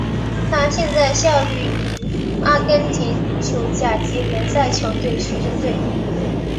他现在效力于阿根廷足球甲级联赛球队学生队。